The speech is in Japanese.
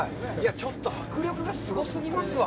ちょっと迫力がすごすぎますわ。